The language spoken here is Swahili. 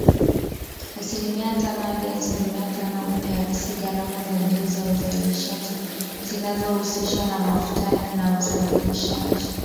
Asilimia tano hadi asilimia tano, ukiakisi gharama za juu za uzalishaji zinazohusishwa na mafuta na usafirishaji.